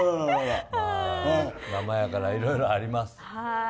生やから、いろいろあります。